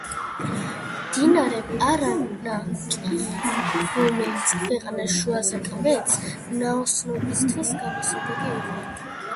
მდინარე პარანა კი, რომელიც ქვეყანას შუაზე კვეთს, ნაოსნობისთვის გამოსადეგი იყო.